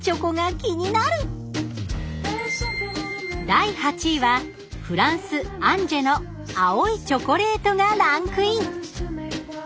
第８位はフランス・アンジェの青いチョコレートがランクイン。